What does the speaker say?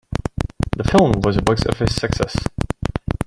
The film was a box office success.